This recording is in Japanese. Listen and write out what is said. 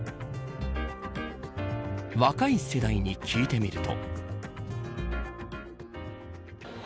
若い世代に聞いてみると。